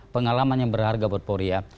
pengalaman yang berharga buat polri ya